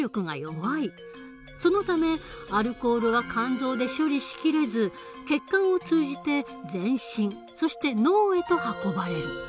そのためアルコールは肝臓で処理しきれず血管を通じて全身そして脳へと運ばれる。